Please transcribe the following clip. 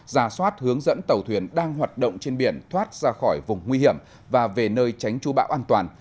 ra soát hướng dẫn tàu thuyền đang hoạt động trên biển thoát ra khỏi vùng nguy hiểm và về nơi tránh chú bão an toàn